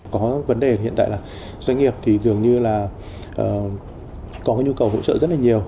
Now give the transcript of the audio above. có vấn đề hiện tại là doanh nghiệp thì dường như là có cái nhu cầu hỗ trợ rất là nhiều